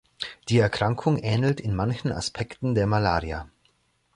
Die Erkrankung ähnelt in manchen Aspekten der Malaria.